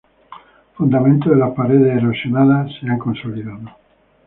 Fundamentos de las paredes erosionadas se han consolidado.